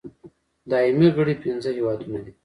دایمي غړي پنځه هېوادونه دي.